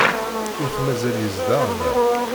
Ur t-mazal yezdeɣ da.